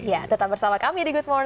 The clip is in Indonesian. ya tetap bersama kami di good morning